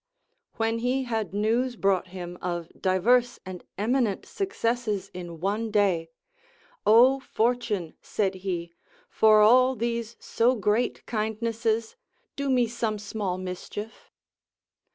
When he had news brought him of divers and eminent successes in one day, Ο Fortune, said he, for all these so great kindnesses do me some small mischief.